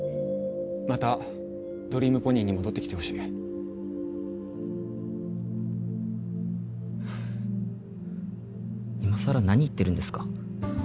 またドリームポニーに戻ってきてほしいいまさら何言ってるんですか？